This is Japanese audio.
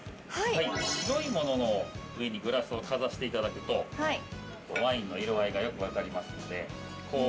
白いものの上にグラスをかざしていただくとワインの色合いがよく分かりますんで。